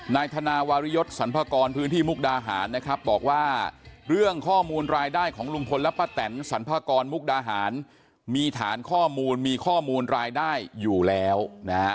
นายธนาวาริยศสรรพากรพื้นที่มุกดาหารนะครับบอกว่าเรื่องข้อมูลรายได้ของลุงพลและป้าแตนสรรพากรมุกดาหารมีฐานข้อมูลมีข้อมูลรายได้อยู่แล้วนะฮะ